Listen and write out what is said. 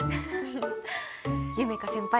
夢叶先輩